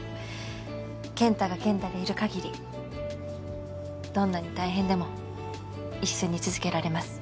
健太が健太でいるかぎりどんなに大変でも一緒に続けられます。